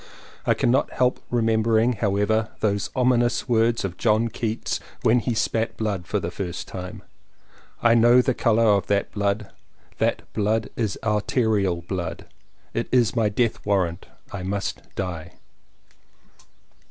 I cannot help remembering, however, those ominous words of John Keats when he spat blood for the first time "I know the colour of that blood; that blood is arterial blood; it is my death warrant; I must die!"